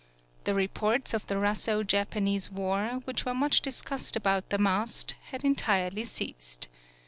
The reports of the Russo Japanese War, which were much discussed about the mast, had entirely ceased.